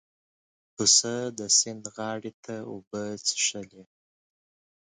پسه د سیند غاړې ته اوبه څښلې.